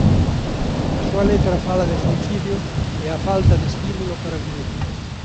A súa letra fala de suicidio e a falta de estímulo para vivir.